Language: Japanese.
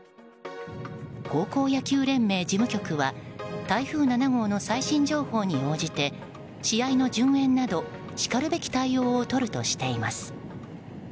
高校野球連盟事務局は台風７号の最新情報に応じて試合の順延などしかるべき対応をとるとしています。